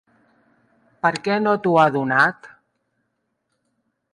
¿Per què no t'ho ha donat?